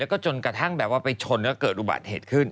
ก็จนกระทั่งไปชนก็เกิดอุบัติเหตุขึ้น